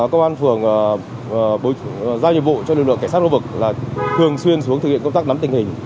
công an phường giao nhiệm vụ cho lực lượng cảnh sát khu vực là thường xuyên xuống thực hiện công tác nắm tình hình